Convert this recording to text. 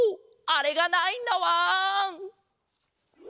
あれがないんだわん！